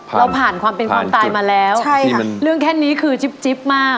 เราผ่านความเป็นความตายมาแล้วใช่ค่ะเรื่องแค่นี้คือจิ๊บจิ๊บมาก